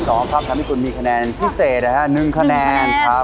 ทำให้คุณมีคะแนนพิเศษนะครับ๑คะแนนครับ